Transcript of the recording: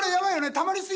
たまり過ぎ？